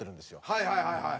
はいはいはいはい。